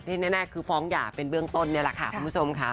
แน่คือฟ้องหย่าเป็นเบื้องต้นนี่แหละค่ะคุณผู้ชมค่ะ